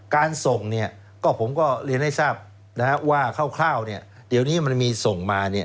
การส่งเนี่ยก็ผมก็เรียนให้ทราบว่าคร่าวเดี๋ยวนี้มันมีส่งมา